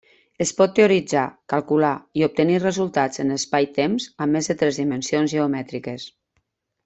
Es pot teoritzar, calcular i obtenir resultats en espaitemps amb més de tres dimensions geomètriques.